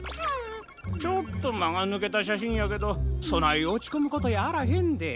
ちょっとまがぬけたしゃしんやけどそないおちこむことやあらへんで。